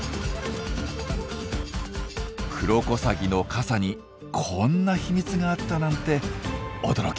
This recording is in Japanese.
クロコサギの傘にこんな秘密があったなんて驚きです。